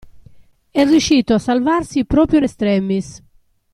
E' riuscito a salvarsi proprio in extremis.